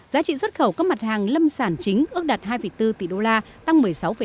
giá trị xuất khẩu các mặt hàng lâm sản chính ước đạt hai bốn tỷ đô la tăng một mươi sáu tám